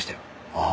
ああ。